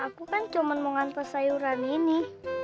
aku kan cuma mengantar sayuran ini